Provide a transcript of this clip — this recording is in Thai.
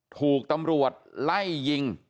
ถูกตำรวจไล่ยิง